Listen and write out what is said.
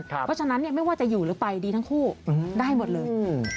เพราะฉะนั้นไม่ว่าจะอยู่หรือไปดีทั้งคู่ได้หมดเลย